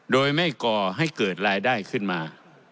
โดยไม่ก่อให้เกิดรายได้ขึ้นมา